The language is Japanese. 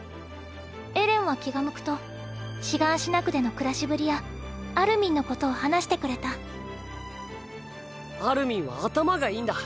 エレンは気が向くとシガンシナ区での暮らしぶりやアルミンのことを話してくれたアルミンは頭がいいんだ。